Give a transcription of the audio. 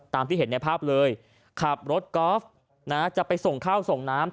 ที่เห็นในภาพเลยขับรถกอล์ฟนะจะไปส่งข้าวส่งน้ำ